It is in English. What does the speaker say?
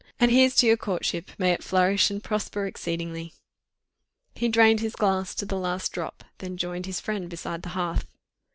And here's to your courtship—may it flourish and prosper exceedingly." He drained his glass to the last drop, then joined his friend beside the hearth.